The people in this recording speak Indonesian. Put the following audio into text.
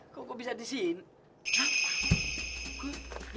kok kau bisa di sini